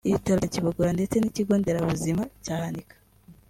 Ibitaro bya Kibogora ndetse n’Ikigo Nderabuzima cya Hanika